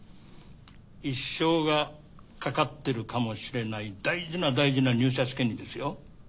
一生がかかってるかもしれない大事な大事な入社試験にですよ。